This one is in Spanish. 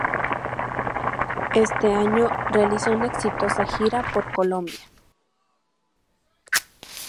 Ese año realizó una exitosa gira por Colombia.